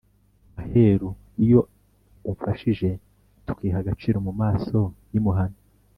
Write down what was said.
Maheru iyo umfashijeTukiha agaciroMu maso y’i Muhana!